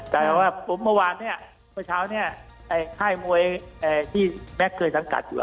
แต่ว่าผมเมื่อวานเนี่ยเมื่อเช้าเนี่ยค่ายมวยที่แม็กซ์เคยสังกัดอยู่แล้ว